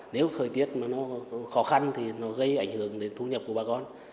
nếu thời tiết mà nó khó khăn thì nó gây ảnh hưởng đến thu nhập của bà con